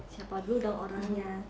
siapa dulu dong orangnya